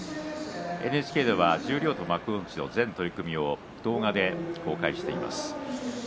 ＮＨＫでは十両の幕内の全取組を動画で公開しています。